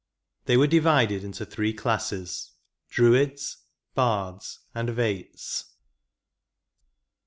They were divided into three classes — Druids, Bards, and Vates.